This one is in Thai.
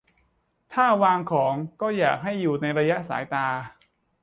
- ถ้าวางของ ก็อยากให้อยู่ในระยะสายตา